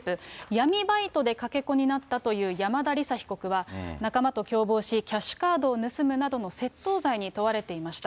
闇バイトでかけ子になったという山田李沙被告は、仲間と共謀し、キャッシュカードを盗むなどの窃盗罪に問われていました。